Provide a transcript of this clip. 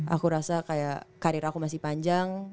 aku rasa kayak karir aku masih panjang